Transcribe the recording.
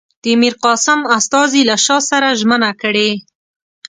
د میرقاسم استازي له شاه سره ژمنه کړې.